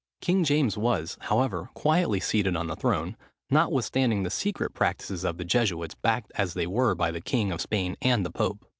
King James was, however, quietly seated on the throne, notwithstanding the secret practices of the Jesuits, backed as they were by the king of Spain and the pope.